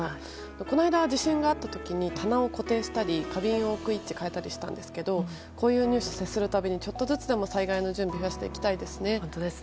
この間、地震があった時に棚を固定したり花瓶を置く位置を変えたりしたんですけどこういうニュースに接するたびにちょっとずつでも災害への準備を増やしていきたいですね。